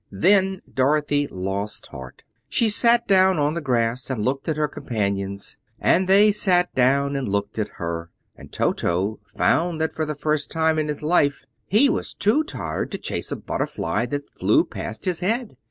Then Dorothy lost heart. She sat down on the grass and looked at her companions, and they sat down and looked at her, and Toto found that for the first time in his life he was too tired to chase a butterfly that flew past his head.